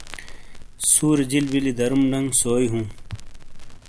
سُوری جیل بیلی درم ڈنگ سوئیی ہوں ۔